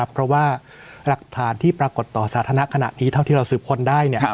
เพราะว่าหลักฐานที่ปรากฏต่อสาธารณะขณะนี้เท่าที่เราสืบค้นได้